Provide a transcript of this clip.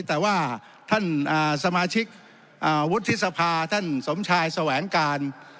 แต่ว่าท่านสมาชิกวุฒิสภาท่านสมชายแสวงการ